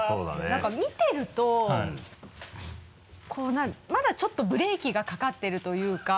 何か見てるとこうまだちょっとブレーキがかかっているというか。